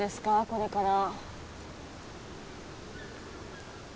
これから。